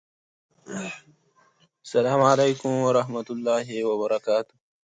الکترون منفي بار لري.